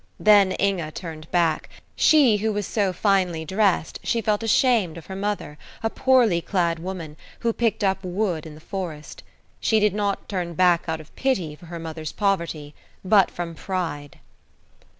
Then Inge turned back; she who was so finely dressed she felt ashamed of her mother, a poorly clad woman, who picked up wood in the forest. She did not turn back out of pity for her mother's poverty, but from pride.